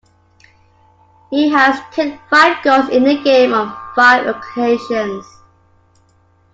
He has kicked five goals in a game on five occasions.